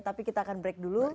tapi kita akan break dulu